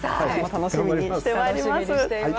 楽しみにしてまいります。